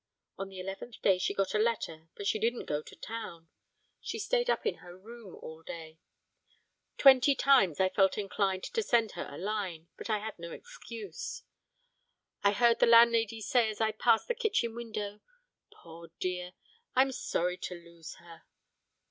On the eleventh day she got a letter but she didn't go to town, she stayed up in her room all day; twenty times I felt inclined to send her a line, but I had no excuse. I heard the landlady say as I passed the kitchen window: 'Poor dear! I'm sorry to lose her!'